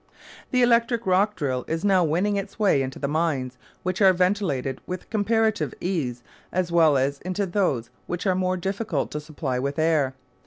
The electric rock drill is now winning its way into the mines which are ventilated with comparative ease as well as into those which are more difficult to supply with air.